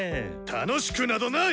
楽しくなどない！